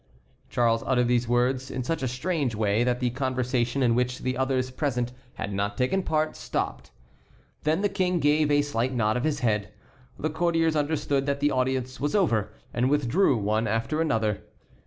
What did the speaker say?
Charles uttered these words in such a strange way that the conversation, in which the others present had not taken part, stopped. Then the King gave a slight nod of his head. The courtiers understood that the audience was over, and withdrew one after another.